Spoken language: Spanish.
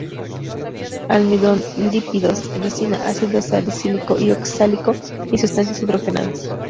Almidón, lípidos, resina, ácidos salicílico y oxálico, y sustancias nitrogenadas.